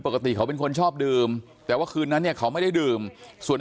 ปกติเขาเป็นคนชอบดื่มแต่ว่าคืนนั้นเนี่ยเขาไม่ได้ดื่มส่วนใน